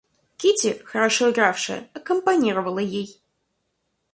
Кити, хорошо игравшая, акомпанировала ей.